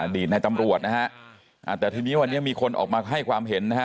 ดีตในตำรวจนะฮะแต่ทีนี้วันนี้มีคนออกมาให้ความเห็นนะฮะ